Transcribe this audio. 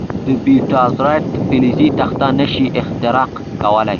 د بیټا ذرات فلزي تخته نه شي اختراق کولای.